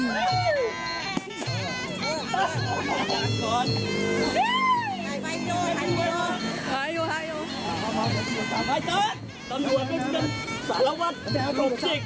เพราะว่าภาพค่อนข้างจะเกิดเกิดมาก